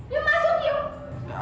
you masuk you